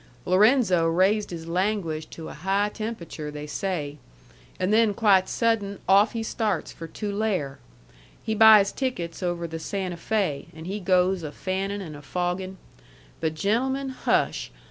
Lorenzo raised his language to a high temperature, they say. An' then quite sudden off he starts for Tulare. He buys tickets over the Santa Fe, and he goes a fannin' and a foggin'. But, gentlemen, hush!